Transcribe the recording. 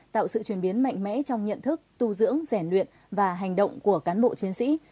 tạo sự chuyển biến mạnh mẽ trong nhận thức tu dưỡng rèn luyện và hành động của cán bộ chiến sĩ